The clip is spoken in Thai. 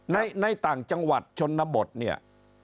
ในต่างจังหวัดชนบทเนี่ย